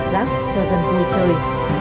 gác cho dân vui chơi